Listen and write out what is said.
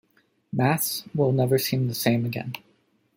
Maths will never seem the same again.